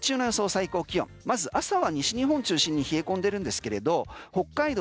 最高気温まず朝は西日本中心に冷え込んでるんですけれど北海道